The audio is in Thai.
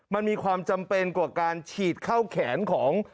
มันมีความจำเป็นกว่าการฉีดเข้าแขนของ